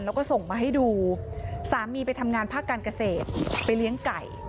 แล้วก็ส่งมาให้ดูสามีไปทำงานภาคการเกษตรไปเลี้ยงไก่